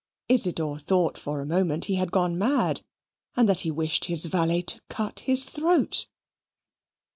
Isidor thought for a moment he had gone mad, and that he wished his valet to cut his throat.